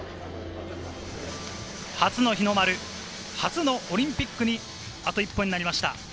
初の日の丸、初のオリンピックにあと一歩になりました。